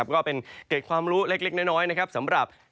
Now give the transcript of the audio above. ก็เป็นเกร็ดความรู้เล็กน้อยสำหรับ